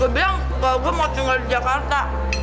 gue bilang bahwa gue mau tinggal di jakarta